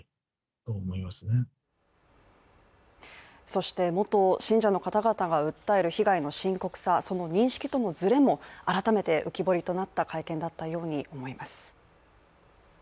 そして元信者の方々が訴える被害の深刻さ、その認識とのずれも改めて浮き彫りとなった会見だったように思います。